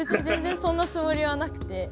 全然そんなつもりはなくて。